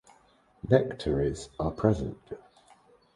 Nectaries are present.